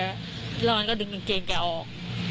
แล้วมันก็ดึงกางเกงแกออก